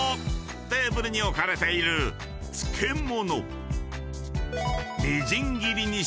テーブルに置かれている漬物］